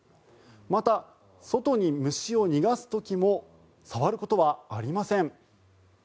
また、外に虫を逃がす時も触ることはありません。